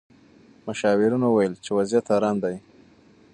مشاورینو وویل چې وضعیت ارام دی.